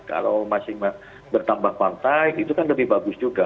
kalau masih bertambah partai itu kan lebih bagus juga